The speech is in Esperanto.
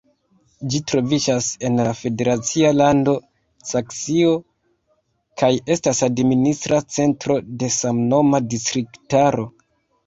Ĝi troviĝas en la federacia lando Saksio kaj estas administra centro de samnoma distriktaro.